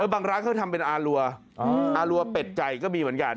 บางร้านเขาทำเป็นอารัวอารัวเป็ดใจก็มีเหมือนกัน